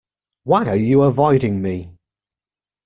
Why are you avoiding me?